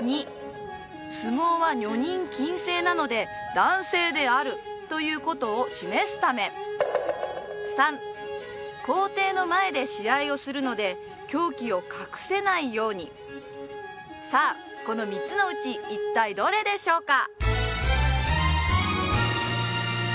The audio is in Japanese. ２相撲は女人禁制なので男性であるということを示すため３皇帝の前で試合をするのでさあこの３つのうち一体どれでしょうか？